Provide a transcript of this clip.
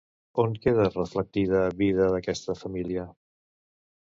On queda reflectida vida d'aquesta família?